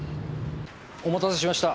お待たせしました。